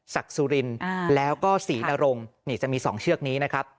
ศักดิ์สุรินทร์แล้วก็ศรีนรงค์นี่จะมีสองเชือกนี้นะครับ